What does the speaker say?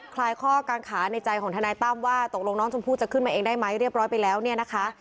ลายข้อกางขาในใจของทนายตั้มว่าตกลงน้องชมพู่จะขึ้นมาเองได้ไหมเรียบร้อยไปแล้วเนี่ยนะคะ